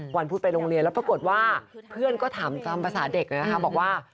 วันพุธไปโรงเรียนแล้วปรากฏว่าเพื่อนก็ถามตามภาษาเด็กเลยนะคะบอกว่า